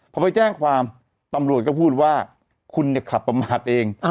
พอไปแจ้งความตำรวจก็พูดว่าคุณเนี่ยขับประมาทเอง